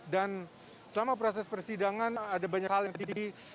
dan selama proses persidangan ada banyak hal yang terjadi